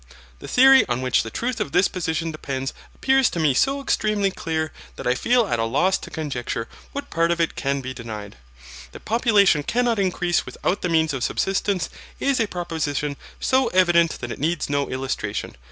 The theory on which the truth of this position depends appears to me so extremely clear that I feel at a loss to conjecture what part of it can be denied. That population cannot increase without the means of subsistence is a proposition so evident that it needs no illustration.